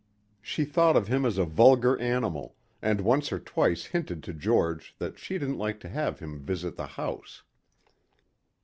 She thought of him as a vulgar animal and once or twice hinted to George that she didn't like to have him visit the house.